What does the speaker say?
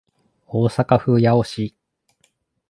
大阪府八尾市